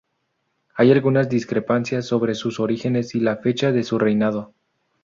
Hay algunas discrepancias sobre sus orígenes y la fecha de su reinado.